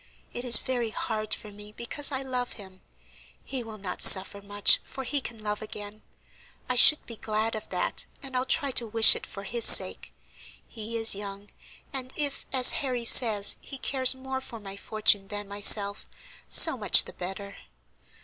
It is very hard for me, because I love him; he will not suffer much, for he can love again. I should be glad of that, and I'll try to wish it for his sake. He is young, and if, as Harry says, he cares more for my fortune than myself, so much the better.